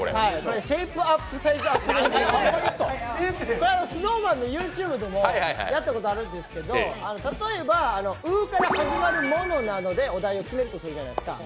これはＳｎｏｗＭａｎのＹｏｕＴｕｂｅでもやったことあるんですけど、例えば「う」から始まるものなどでお題を決めるとするじゃないですか。